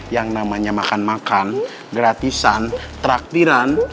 yang namanya makan makan gratisan traktiran